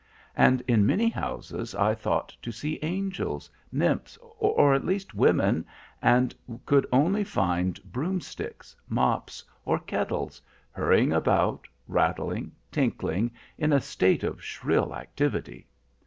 And in many houses I thought to see angels, nymphs, or at least, women, and could only find broomsticks, mops, or kettles, hurrying about, rattling, tinkling, in a state of shrill activity.